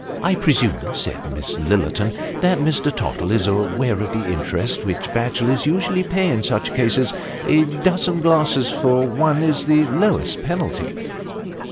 " I presume," said Miss Lillerton, " that Mr. Tottle is aware of the interest which bachelors usually pay in such cases ; a dozen glasses for one is the lowest penalty."